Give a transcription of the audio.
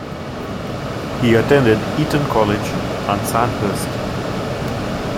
He attended Eton College and Sandhurst.